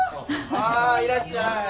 ああいらっしゃい。